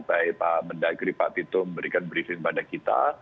baik pak mendagri pak tito memberikan briefing pada kita